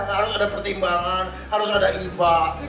harus ada pertimbangan harus ada imba